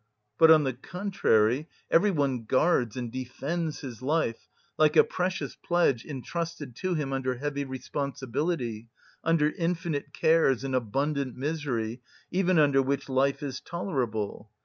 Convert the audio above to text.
But, on the contrary, every one guards and defends his life, like a precious pledge intrusted to him under heavy responsibility, under infinite cares and abundant misery, even under which life is tolerable.